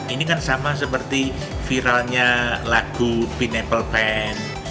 ini kan sama seperti viralnya lagu pinaple pan